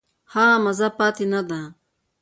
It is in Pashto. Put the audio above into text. هغه مزه پاتې نه ده.